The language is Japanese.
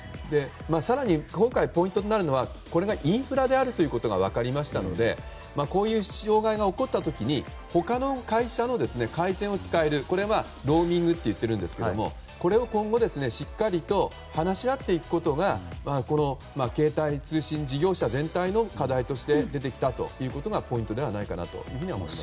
更に今回ポイントになるのはこれがインフラであることが分かりましたのでこういう障害が起こった時に他の会社の回線を使えるこれは、ローミングと言ってるんですけど今後しっかりと話し合っていくことが携帯通信事業者全体の課題として出てきたということがポイントではないかと思います。